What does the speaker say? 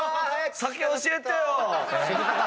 先教えてよ